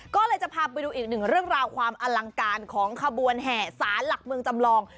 ก็เลยจะพาไปดูอีกหนึ่งเรื่องราวความอลังการของขบวนแห่สารหลักเมืองจำลอง